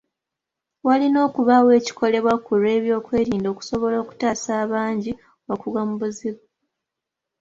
Walina okubaawo ekikolebwa ku lw'ebyokwerinda okusobola okutaasa abangi okugwa mu buzibu.